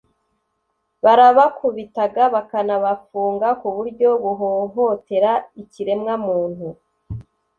barabakubitaga bakanabafunga ku buryo buhohotera ikiremwa muntu